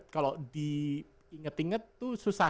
kalau diinget inget tuh susah